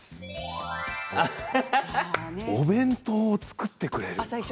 お弁当を作ってくれるところ。